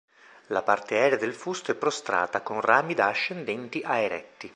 La parte aerea del fusto è prostrata con rami da ascendenti a eretti.